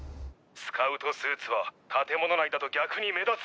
スカウトスーツは建物内だと逆に目立つ！